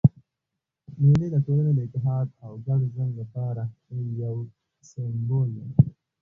مېلې د ټولني د اتحاد او ګډ ژوند له پاره یو سېمبول دئ.